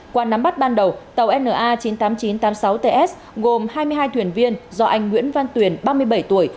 qua nắm bắt ban đầu tàu na chín mươi tám nghìn chín trăm tám mươi sáu ts gồm hai mươi hai thuyền viên do anh nguyễn văn tuyền ba mươi bảy tuổi